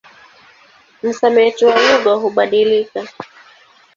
Msamiati wa lugha hubadilika.